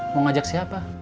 mau ngajak siapa